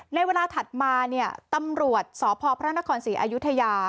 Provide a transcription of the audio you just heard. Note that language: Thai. ในวันหน้าถัดมาเนี่ยตำรวจสอพพระนครศรีอยุธยา